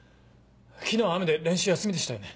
昨日は雨で練習休みでしたよね？